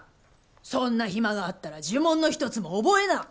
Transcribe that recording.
そんな暇があったら呪文の一つも覚えな！